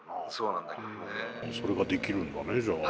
それができるんだねじゃあ。